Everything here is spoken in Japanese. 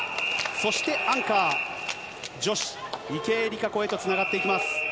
そして、アンカー女子、池江璃花子へとつながっていきます。